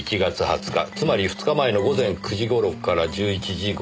つまり２日前の午前９時頃から１１時頃。